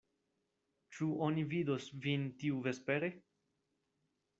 Ĉu oni vidos vin tiuvespere?